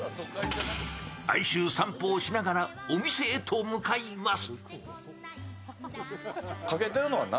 愛愁散歩をしながら、お店へと向かいます。